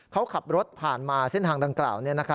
เขาขับรถผ่านมาเส้นทางดังกล่าว